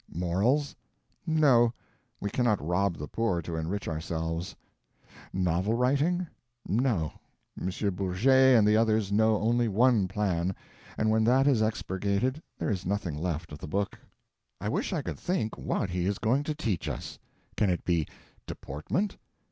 Morals? No, we cannot rob the poor to enrich ourselves. Novel writing? No. M. Bourget and the others know only one plan, and when that is expurgated there is nothing left of the book. I wish I could think what he is going to teach us. Can it be Deportment?